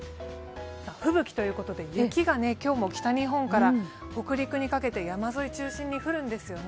吹雪ということで雪が今日も北日本から北陸にかけて山沿い中心に降るんですよね。